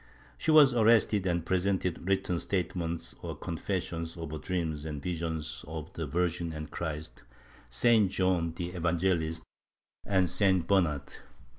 She was arrested and presented written statements or confessions of her dreams and visions of the Virgin and Christ, St. John the Evangelist and St. Bernard.